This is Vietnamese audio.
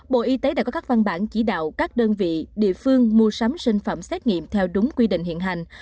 bộ y tế đã có các văn bản chỉ đạo các đơn vị địa phương mua sắm sinh phẩm xét nghiệm theo đúng quy định hiện hành